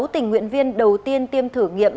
sáu tình nguyện viên đầu tiên tiêm thử nghiệm